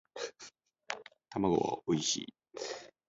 卵はおいしい